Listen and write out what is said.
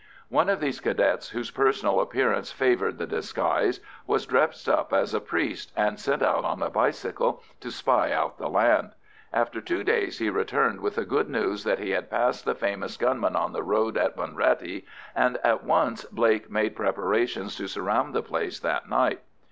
One of these Cadets, whose personal appearance favoured the disguise, was dressed up as a priest, and sent out on a bicycle to spy out the land. After two days he returned with the good news that he had passed the famous gunman on the road in Bunrattey, and at once Blake made preparations to surround the place that night.